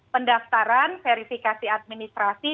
pendaftaran verifikasi administrasi